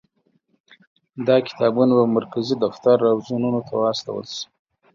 دا کتابونه به مرکزي دفتر او زونونو ته واستول شي.